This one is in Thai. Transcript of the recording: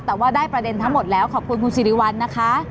แต่ว่าได้ประเด็นทั้งหมดแล้วขอบคุณคุณสิริวัลนะคะ